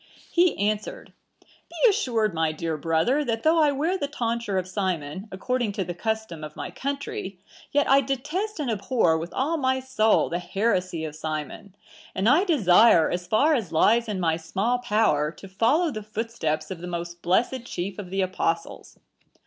He answered, 'Be assured, my dear brother, that though I wear the tonsure of Simon, according to the custom of my country, yet I detest and abhor with all my soul the heresy of Simon; and I desire, as far as lies in my small power, to follow the footsteps of the most blessed chief of the Apostles.